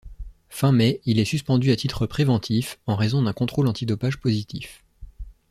Fin mai, il est suspendu à titre préventif en raison d'un contrôle antidopage positif.